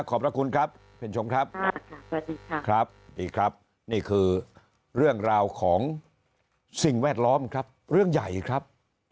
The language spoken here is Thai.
ขอบคุณครับเพ็ญโฉมครับนี่คือเรื่องราวของสิ่งแวดล้อมครับเรื่องใหญ่ครับ